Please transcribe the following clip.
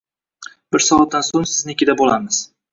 Bir soatdan so’ng siznikida bo’lamiz.